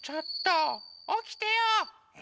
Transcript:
おきてよ！